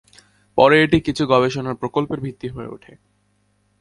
পরে এটি কিছু গবেষণা প্রকল্পের ভিত্তি হয়ে ওঠে।